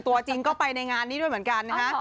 ตัวจริงก็ไปในงานนี้ด้วยเหมือนกันนะฮะ